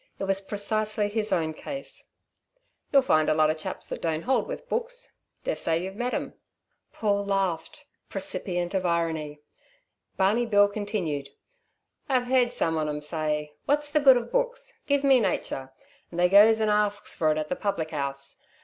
It was precisely his own case. "You'll find a lot of chaps that don't hold with books. Dessay you've met 'em?" Paul laughed, precipient of irony. Barney Bill continued: "I've heard some on 'em say: 'What's the good of books? Give me nature,' and they goes and asks for it at the public 'ouse.